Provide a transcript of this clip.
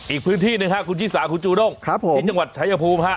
อีกพื้นที่นึงค่ะคุณชิสาคุณจูน้องครับผมที่จังหวัดชายภูมิค่ะ